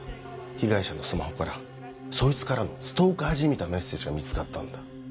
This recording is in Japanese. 被害者のスマホからそいつからのストーカーじみたメッセージが見つかったんだ。